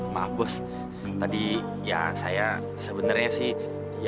maaf bos tadi ya saya sebenernya sih ya